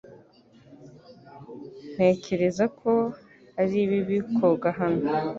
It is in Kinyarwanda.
Ntekereza ko ari bibi koga hano .